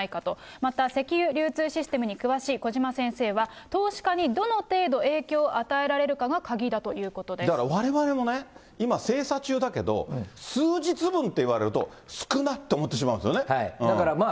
また石油流通システムに詳しい小嶌先生は、投資家にどの程度、影響を与えられるかが鍵だというこだから、われわれもね、今精査中だけど、数日分って言われると、少なって思ってしまうんだからまあ